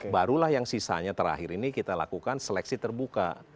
barulah yang sisanya terakhir ini kita lakukan seleksi terbuka